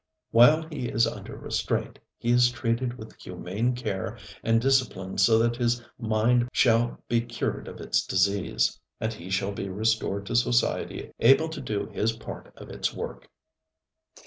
While he is under restraint, he is treated with humane care and disciplined so that his mind shall be cured of its disease, and he shall be restored to society able to do his part of its work.